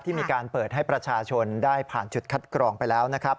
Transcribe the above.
มีการเปิดให้ประชาชนได้ผ่านจุดคัดกรองไปแล้วนะครับ